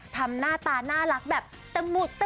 ทำหน้าตาน่ารักแบบตะหมุดตะมิ